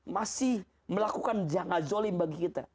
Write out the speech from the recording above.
masih melakukan jangazolim bagi kita